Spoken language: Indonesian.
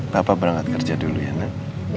papa berangkat kerja dulu ya nek